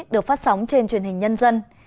được phát sóng trên truyền hình nhân dân